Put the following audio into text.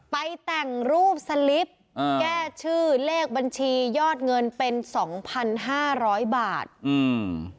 ไปแต่งรูปสลิปอ่าแก้ชื่อเลขบัญชียอดเงินเป็นสองพันห้าร้อยบาทอืม